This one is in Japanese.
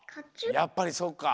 やっぱりそうか。